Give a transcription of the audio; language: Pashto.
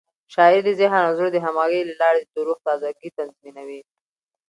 شاعري د ذهن او زړه د همغږۍ له لارې د روح تازه ګي تضمینوي.